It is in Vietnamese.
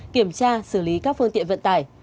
kiểm tra xử lý các phương tiện vận tải